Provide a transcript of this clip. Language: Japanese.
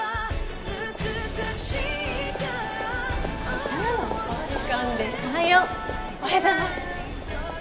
おはよう。